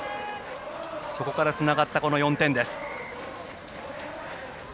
そこからつながった４点です。